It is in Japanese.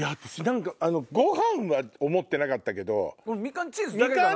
ご飯は思ってなかったけど。